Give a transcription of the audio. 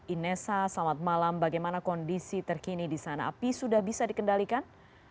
inessa selamat malam bagaimana kondisi terkini di sana api sudah bisa dikendalikan